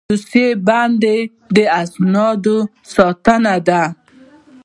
دوسیه بندي د اسنادو ساتنه ده